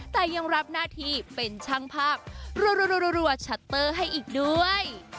แต่ยังรับหน้าที่เป็นช่างภาพรัวชัตเตอร์ให้อีกด้วย